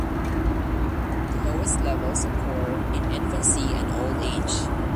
The lowest levels occur in infancy and old age.